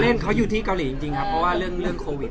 เล่นเขาอยู่ที่เกาหลีจริงครับเพราะว่าเรื่องโควิด